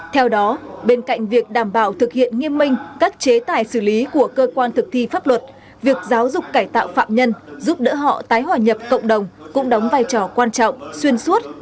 theo đó bên cạnh việc đảm bảo thực hiện nghiêm minh các chế tài xử lý của cơ quan thực thi pháp luật việc giáo dục cải tạo phạm nhân giúp đỡ họ tái hòa nhập cộng đồng cũng đóng vai trò quan trọng xuyên suốt